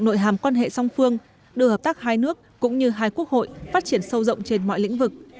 nội hàm quan hệ song phương đưa hợp tác hai nước cũng như hai quốc hội phát triển sâu rộng trên mọi lĩnh vực